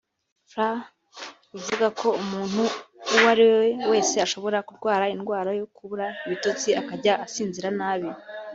fr ruvuga ko umuntu uwo ari we wese ashobora kurwara indwara yo kubura ibitotsi akajya asinzira nabi